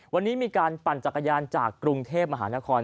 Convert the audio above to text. วันนี้มีการปั่นจักรยานจากกรุงเทพมหานคร